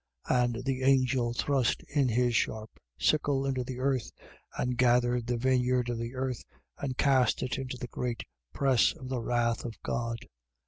14:19. And the angel thrust in his sharp sickle into the earth and gathered the vineyard of the earth and cast it into the great press of the wrath of God: 14:20.